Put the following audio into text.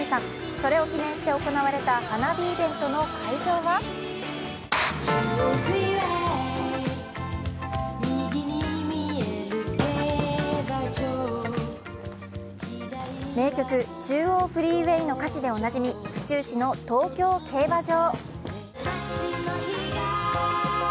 それを記念して行われた花火イベントの会場は名曲「中央フリーウェイ」の歌詞でおなじみ、府中市の東京競馬場。